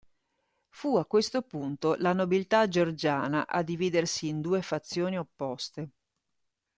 Fu a questo punto la nobiltà georgiana a dividersi in due fazioni opposte.